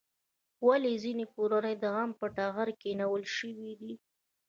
ولې ځینې کورنۍ د غم په ټغر کېنول شوې دي؟